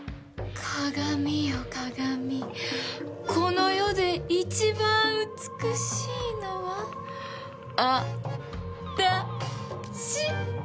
鏡よ鏡この世で一番美しいのはあたし。